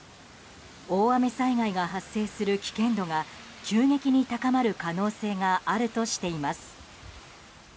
大雨災害が発生する危険度が急激に高まる可能性があるとしています。